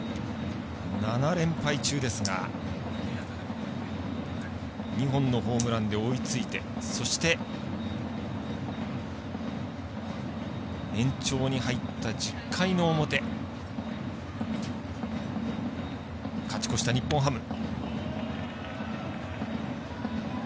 ７連敗中ですが２本のホームランで追いついてそして、延長に入った１０回の表勝ち越した日本ハム。